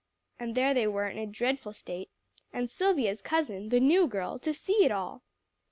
And there they were in a dreadful state, and Silvia's cousin, the new girl, to see it all!